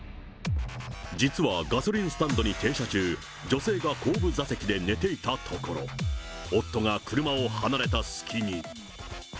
実はガソリンスタンドに停車中、女性が後部座席で寝ていたところ、夫が車を離れた隙に。